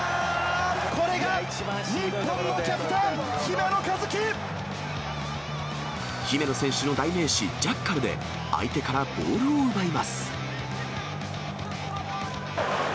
これが日本のキャプテン、姫野選手の代名詞、ジャッカルで相手からボールを奪います。